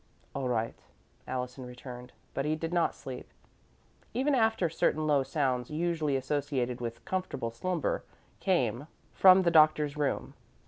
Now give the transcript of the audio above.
"All right," Allison returned, but he did not sleep, even after certain low sounds usually associated with comfortable slumber came from the doctor's room.